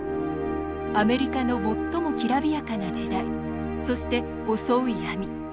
アメリカの最もきらびやかな時代そして襲う闇